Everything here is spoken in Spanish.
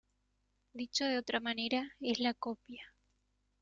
Dicho de otra manera, es la copia.